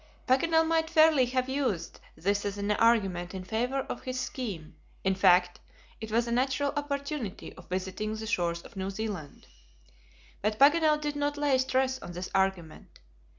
Paganel might fairly have used this as an argument in favor of his scheme; in fact, it was a natural opportunity of visiting the shores of New Zealand. But Paganel did not lay stress on this argument.